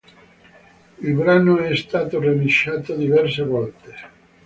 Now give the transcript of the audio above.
Il brano è stato remixato diverse volte.